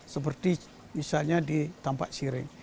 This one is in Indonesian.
seperti misalnya di tampak siring